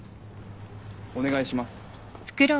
お願いします。